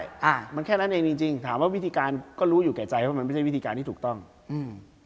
อ่ามันแค่นั้นเองจริงจริงถามว่าวิธีการก็รู้อยู่แก่ใจว่ามันไม่ใช่วิธีการที่ถูกต้องอืม